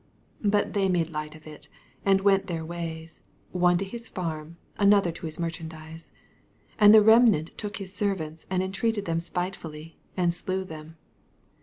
6 But they made light of U, and went their ways, one to his farm, an other to his merchandise : 6 And the remnant took his ser vants, and entreated them spitefully, and slew them.